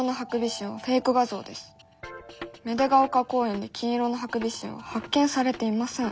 芽出ヶ丘公園で金色のハクビシンは発見されていません」。